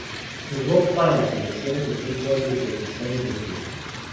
Jugó para las selecciones de fútbol de Uzbekistán y Rusia.